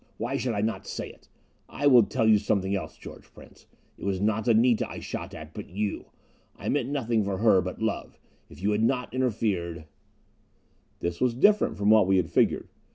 Why should I not say it? I will tell you something else, George Prince. It was not Anita I shot at, but you! I meant nothing for her, but love. If you had not interfered " This was different from what we had figured.